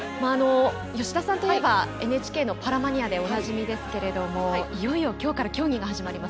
吉田さんといえばＮＨＫの「パラマニア」でおなじみですけれどもいよいよ今日から競技が始まります。